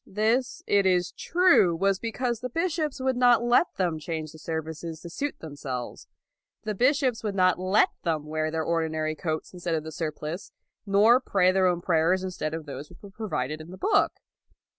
This, it is true, was because the bishops would not let them change the services to suit them 2i6 LAUD selves. The bishops would not let them wear their ordinary coats instead of the surplice, nor pray their own prayers in stead of those which were provided in the book.